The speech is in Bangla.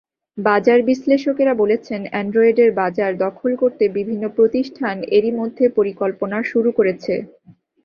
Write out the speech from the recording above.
বাজার বিশ্লেষকেরা বলছেন, অ্যান্ড্রয়েডের বাজার দখল করতে বিভিন্ন প্রতিষ্ঠান এরইমধ্যে পরিকল্পনা শুরু করেছে।